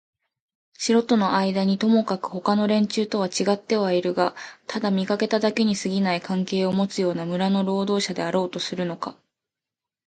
城とのあいだにともかくもほかの連中とはちがってはいるがただ見かけだけにすぎない関係をもつような村の労働者であろうとするのか、